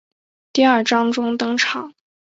第二章中登场。